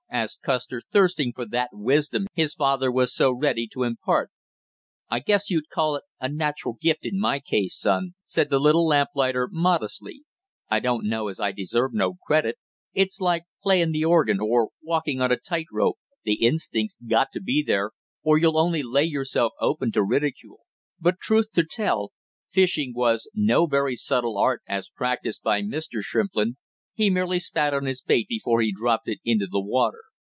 asked Custer, thirsting for that wisdom his father was so ready to impart. "I guess you'd call it a natural gift in my case, son," said the little lamplighter modestly. "I don't know as I deserve no credit; it's like playing the organ or walking on a tight rope, the instinct's got to be there or you'll only lay yourself open to ridicule." But truth to tell, fishing was no very subtle art as practised by Mr. Shrimplin, he merely spat on his bait before he dropped it into the water.